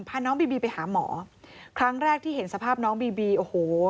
พาน้องบีบีไปหาหมอครั้งแรกที่เห็นสภาพน้องบีบีโอ้โห